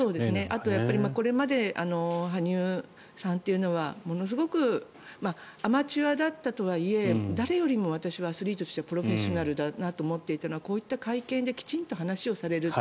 あとこれまで羽生さんというのはものすごくアマチュアだったとはいえ誰よりも私はアスリートとしてはプロフェッショナルだなと思っていたのはこういった会見できちんと話をされる。